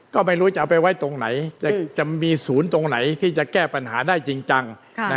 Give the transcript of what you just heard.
ก็ไม่รู้จะเอาไปไว้ตรงไหนจะมีศูนย์ตรงไหนที่จะแก้ปัญหาได้จริงจัง